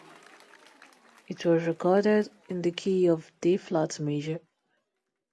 It was recorded in the key of D-flat major.